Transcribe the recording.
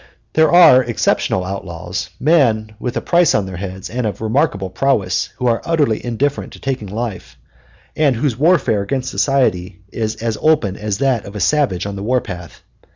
There are exceptional outlaws, men with a price on their heads and of remarkable prowess, who are utterly indifferent to taking life, and whose warfare against society is as open as that of a savage on the war path.